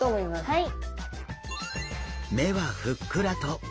はい。